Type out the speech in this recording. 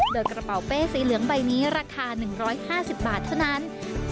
โดยกระเป๋าเป้สีเหลืองใบนี้ราคา๑๕๐บาทเท่านั้น